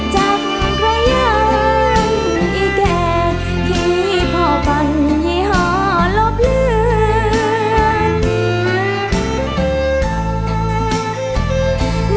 จับไปยังอีแก่ที่พ่อปัญญาหลอบเลือน